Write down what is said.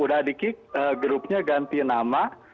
udah di kick grupnya ganti nama